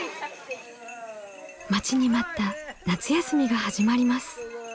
待ちに待った夏休みが始まります。